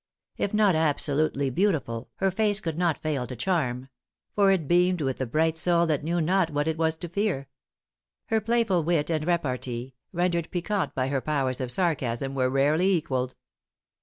If not absolutely beautiful, her face could not fail to charm; for it beamed with the bright soul that knew not what it was to fear. Her playful wit and repartee, rendered piquant by her powers of sarcasm, were rarely equalled.